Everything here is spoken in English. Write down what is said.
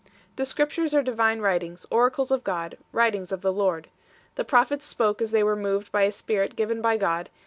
The Scriptures are divine writings, oracles of God, writings of the Lord 8 . The prophets spoke as they were moved by a spirit given by God 9 , yet in such 1 2 Pet.